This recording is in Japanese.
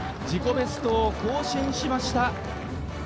自己ベストを更新しました。